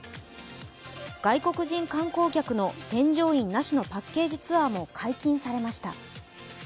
外国人観光客の添乗員なしのパッケージツアーも解禁されました。